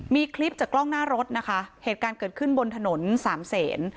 มีคลิปจากกล้องหน้ารถนะคะเหตุการณ์เกิดขึ้นบนถนนสามเศษ